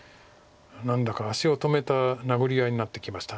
何だか足を止めた殴り合いになってきました。